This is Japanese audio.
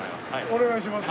お願いします。